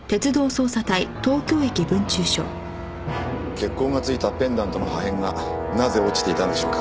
血痕が付いたペンダントの破片がなぜ落ちていたんでしょうか？